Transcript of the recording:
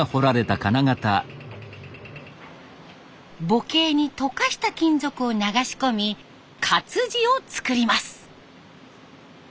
母型に溶かした金属を流し込み活字をつくります。